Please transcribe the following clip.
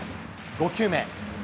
５球目。